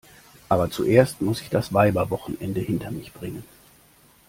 Aber zuerst muss ich das Weiberwochenende hinter mich bringen.